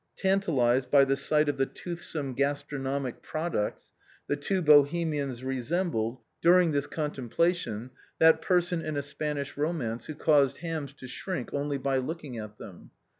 Tantalized by the sight of the toothsome gastronomic products, the two Bohemians resembled, during this con 316 THE BOHEMIANS OF THE LATIN QUARTER. templation, that person in a Spanish romance who caused hams to shrink only by looking at them.